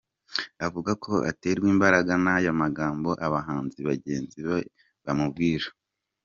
Avuga ko aterwa imbaraga n’aya magambo abahanzi bagenzi be bamubwira.